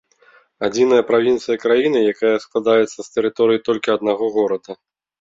Адзіная правінцыя краіны, якая складаецца з тэрыторыі толькі аднаго горада.